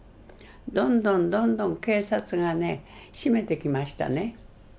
どんどんどんどん警察がね締めてきましたね。